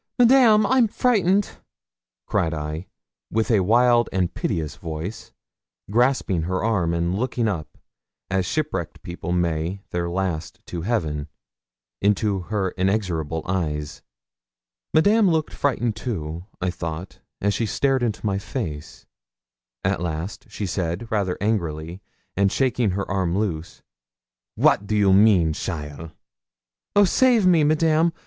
Madame! I'm frightened,' cried I, with a wild and piteous voice, grasping her arm, and looking up, as shipwrecked people may their last to heaven, into her inexorable eyes. Madame looked frightened too, I thought, as she stared into my face. At last she said, rather angrily, and shaking her arm loose 'What you mean, cheaile?' 'Oh save me, Madame!